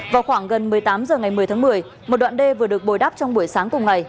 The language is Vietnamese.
vào khoảng gần một mươi tám h ngày một mươi tháng một mươi một đoạn đê vừa được bồi đắp trong buổi sáng cùng ngày